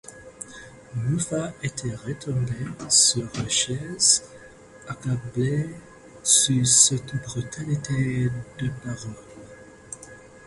Muffat était retombé sur la chaise, accablé sous cette brutalité de paroles.